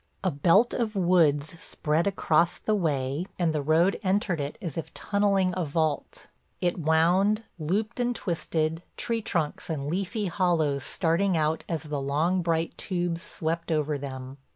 A belt of woods spread across the way and the road entered it as if tunneling a vault. It wound, looped and twisted, tree trunks and leafy hollows starting out as the long bright tubes swept over them.